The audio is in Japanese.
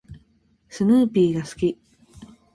スヌーピーが好き。